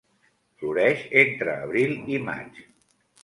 Floreix entre abril i maig.